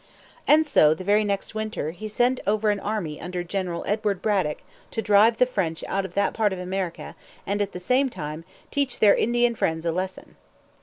And so, the very next winter, he sent over an army under General Edward Braddock to drive the French out of that part of America and at the same time teach their Indian friends a lesson.